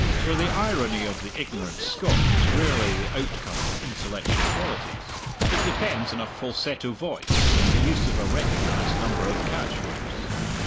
For the irony of the ignorant Scot is rarely the outcome of intellectual qualities. It depends on a falsetto voice and the use of a recognized number of catchwords.